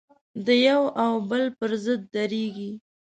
د یوه او بل پر ضد درېږي.